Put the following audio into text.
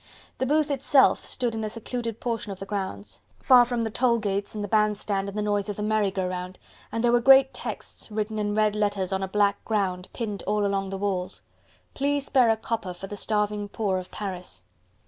The booth itself stood in a secluded portion of the grounds, far from the toll gates, and the band stand and the noise of the merry go round, and there were great texts, written in red letters on a black ground, pinned all along the walls. "Please spare a copper for the starving poor of Paris."